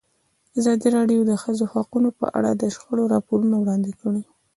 ازادي راډیو د د ښځو حقونه په اړه د شخړو راپورونه وړاندې کړي.